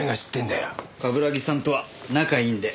冠城さんとは仲いいんで。